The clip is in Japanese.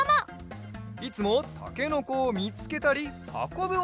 いつもたけのこをみつけたりはこぶ